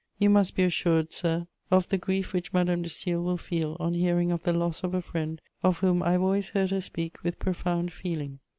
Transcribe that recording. You must be assured, sir, of the grief which Madame de Staël will feel on hearing of the loss of a friend of whom I have always heard her speak with profound feeling.